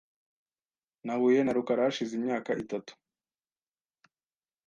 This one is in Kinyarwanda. Nahuye na rukara hashize imyaka itatu .